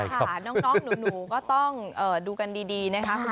ค่ะน้องหนูก็ต้องดูกันดีนะคะ